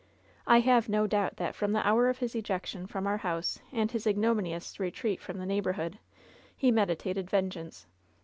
I have no doubt that, from the hour of his ejection from our house and his ignominious retreat from the neighborhood, he medi tated vengeance.